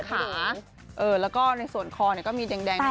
และในส่วนคอมีแดง